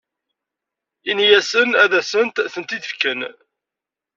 Ini-asen ad asent-tent-id-fken.